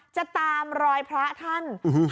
จะตามรอยพระท่าน